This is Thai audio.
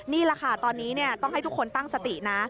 นี่แหละค่ะตอนนี้ต้องให้ทุกคนตั้งสตินะ